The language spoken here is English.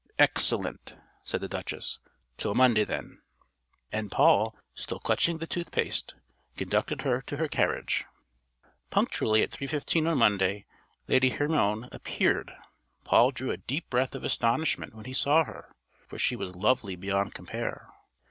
"Excellent," said the Duchess. "Till Monday, then." And Paul, still clutching the tooth paste, conducted her to her carriage. Punctually at 3.15 on Monday Lady Hermione appeared. Paul drew a deep breath of astonishment when he saw her, for she was lovely beyond compare.